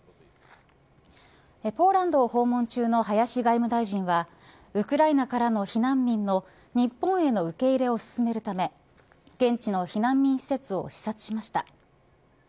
ポーランド訪問中の林外務大臣はウクライナからの避難民の日本への受け入れを進めるため現地の避難民施設を視察しました。